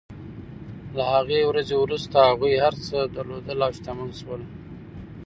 له هغې ورځې وروسته هغوی هر څه درلودل او شتمن شول.